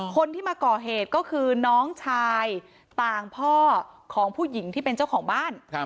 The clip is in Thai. คนที่มาก่อเหตุก็คือน้องชายต่างพ่อของผู้หญิงที่เป็นเจ้าของบ้าน